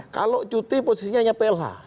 kalau cuti posisinya hanya plh